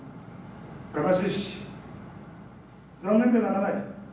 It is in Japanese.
悲しいし、残念でならない。